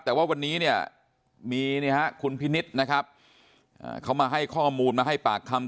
แต่ว่าวันนี้เนี่ยมีคุณพินิษฐ์นะครับเขามาให้ข้อมูลมาให้ปากคำ